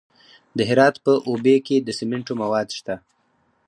د هرات په اوبې کې د سمنټو مواد شته.